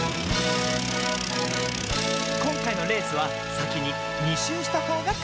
こんかいのレースはさきに２しゅうしたほうがかち。